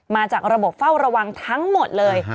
มาจากระบบเฝ้าระวังทั้งหมดเลย